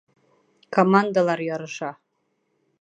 Командалар ярыша